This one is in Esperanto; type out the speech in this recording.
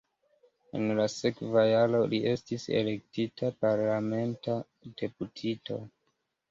En la sekva jaro li estis elektita parlamenta deputito.